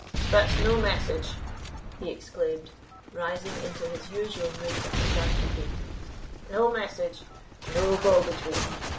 But no message," he exclaimed, rising into his usual mood of misanthropy, "no message no go between!